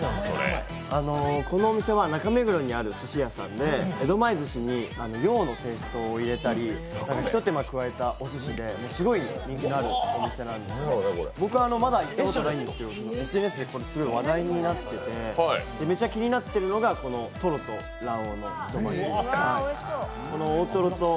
このお店は中目黒にあるすし屋さんで、江戸前ずしに洋のテーストを入れたりひと手間加えたお寿司ですごく人気のあるお店なんですけど、僕はまだ行ったことがないんですけどＳＮＳですごい話題になってて、めちゃ気になっているのがこのトロと卵黄の太巻き。